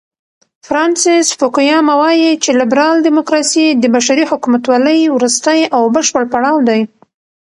فرانسیس فوکویاما وایي چې لیبرال دیموکراسي د بشري حکومتولۍ وروستی او بشپړ پړاو دی.